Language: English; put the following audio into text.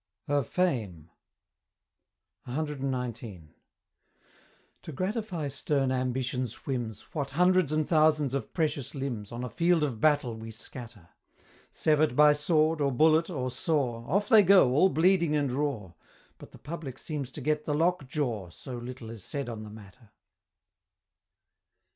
HER FAME. CXIX. To gratify stern ambition's whims, What hundreds and thousands of precious limbs On a field of battle we scatter! Sever'd by sword, or bullet, or saw, Off they go, all bleeding and raw, But the public seems to get the lock jaw, So little is said on the matter!